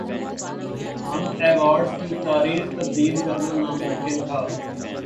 ہم ایوارڈز کی تاریخ تبدیل کرنا ناممکن تھا